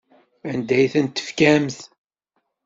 Anda ay tent-tefkamt?